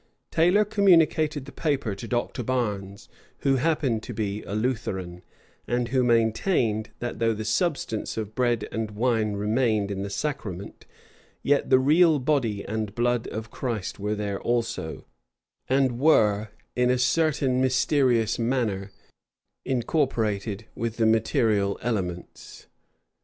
Taylor communicated the paper to Dr. Barnes, who happened to be a Lutheran, and who maintained that though the substance of bread and wine remained, in the sacrament, yet the real body and blood of Christ were there also, and were, in a certain mysterious manner, incorporated with the material elements.